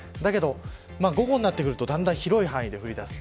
午後になっていくとだんだん広い範囲で降りだす。